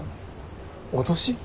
脅し？